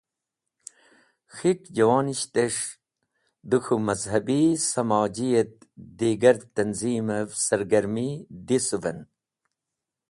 K̃hik Javonishtes̃h de k̃hu Mazhabi, Samoji et digar tanzimev sargarmi disuven.